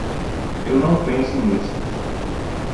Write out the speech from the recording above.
Eu não penso nisso!